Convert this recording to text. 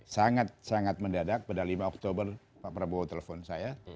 sangat sangat mendadak pada lima oktober pak prabowo telepon saya